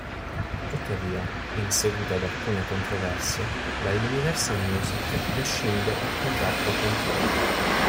Tuttavia, in seguito ad alcune controversie, la Universal Music rescinde il contratto con Troy.